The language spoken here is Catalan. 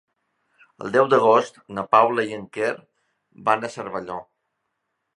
El deu d'agost na Paula i en Quer van a Cervelló.